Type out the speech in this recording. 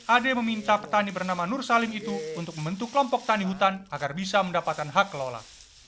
ade meminta petani bernama nur salim itu untuk membentuk kelompok tani hutan agar bisa mendapatkan hak kelola